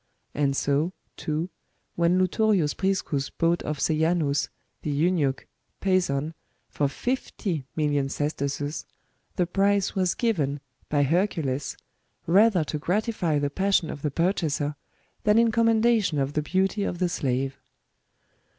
And so, too, when Lutorius Priscus bought of Sejanus, the eunuch, Psezon, for fifty million sesterces,^'^ the price was given, by Hercules ! rather to gratify the passion of the purchaser, than in commendation of the beauty of the slave.